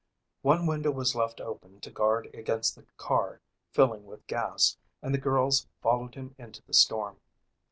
One window was left open to guard against the car filling with gas and the girls followed him into the storm.